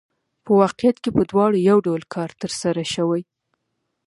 په واقعیت کې په دواړو یو ډول کار ترسره شوی